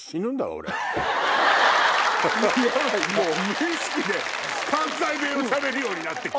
無意識で関西弁をしゃべるようになってきたら。